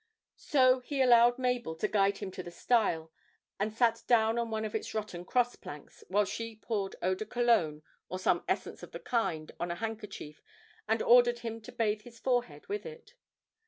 So he allowed Mabel to guide him to the stile, and sat down on one of its rotten cross planks while she poured eau de Cologne or some essence of the kind on a handkerchief, and ordered him to bathe his forehead with it.